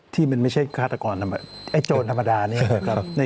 ที่มันไม่ใช่ฆาตกรไอ้โจรธรรมดาเนี่ย